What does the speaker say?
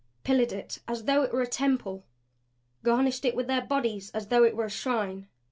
Pillared it as though it were a temple. Garnished it with their bodies as though it were a shrine.